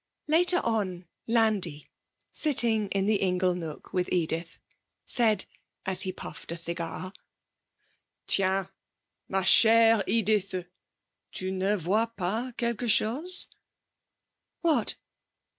Later on Landi, sitting in the ingle nook with Edith, said, as he puffed a cigar: 'Tiens, ma chère Edith, tu ne vois pas quelque chose?' 'What?'